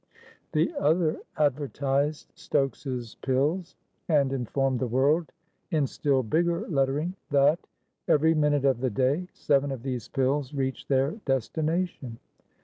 The other advertised Stokes's pills, and informed the world, in still bigger lettering, that, every minute of the day, seven of these pills 'reached their destination.'